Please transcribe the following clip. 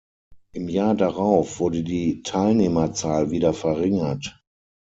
Im Jahr darauf wurde die Teilnehmerzahl wieder verringert.